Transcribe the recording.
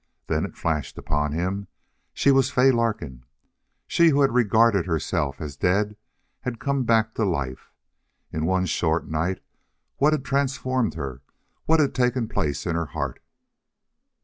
Then it flashed upon him she was Fay Larkin. She who had regarded herself as dead had come back to life. In one short night what had transformed her what had taken place in her heart?